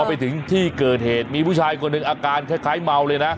ไปถึงที่เกิดเหตุมีผู้ชายคนหนึ่งอาการคล้ายเมาเลยนะ